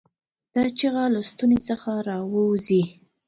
دا چیغه له ستونې څخه راووځي.